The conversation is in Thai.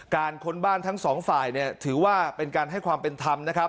การค้นบ้านทั้ง๒ฝ่ายถือว่าเป็นการให้ความเป็นธรรม